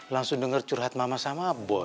langsung denger curhat mama sama boy